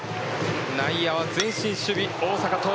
内野は前進守備大阪桐蔭。